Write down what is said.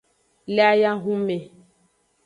Le ayahun mme.